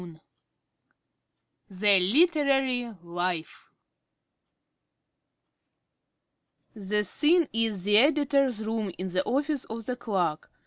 XLV. "THE LITERARY LIFE" _The Scene is the Editor's room in the Office of "The Lark."